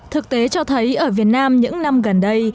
thực tế cho thấy ở việt nam những năm gần đây